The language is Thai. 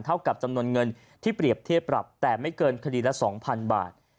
กับจำนวนเงินที่เปรียบเทียบปรับแต่ไม่เกินคดีละ๒๐๐๐บาท